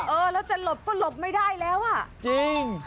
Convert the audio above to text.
เออแล้วจะหลบก็หลบไม่ได้แล้วอ่ะจริง